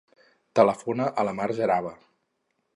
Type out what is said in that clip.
Telefona a la Mar Jaraba.